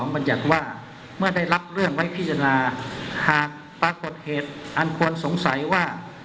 มันอยากว่าเมื่อได้รับเรื่องไว้พิจารณา